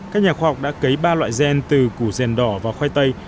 các nhà khoa học đã cấy ba loại gen từ củ sen đỏ và khoai tây